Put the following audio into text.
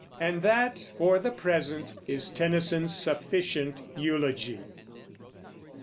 And that, for the present, is Tennyson's sufficient eulogy.